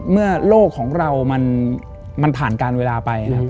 โลกของเรามันผ่านการเวลาไป